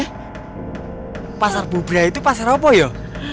eh pasar bubrah itu pasar apa yo